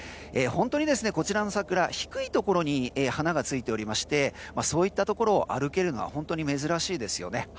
本当にこちらの桜、低いところに花がついておりましてそういったところを歩けるのは本当に珍しいですよね。